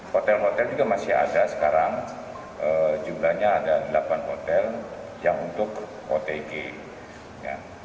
hotel hotel juga masih ada sekarang jumlahnya ada delapan hotel yang untuk otg